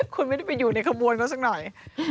คุณไม่ได้ไปอยู่ในขบวนเขาสักหน่อย